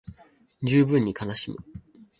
十分に悲しむ